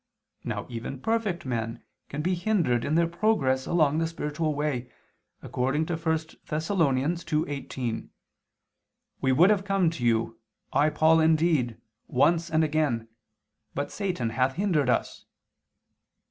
Now even perfect men can be hindered in their progress along the spiritual way, according to 1 Thess. 2:18: "We would have come to you, I Paul indeed, once and again; but Satan hath hindered us."